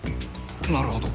なるほど。